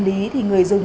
như sữa đường